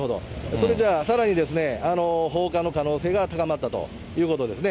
それじゃあ、さらに放火の可能性が高まったということですね。